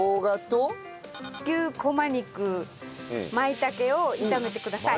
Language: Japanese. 牛こま肉舞茸を炒めてください。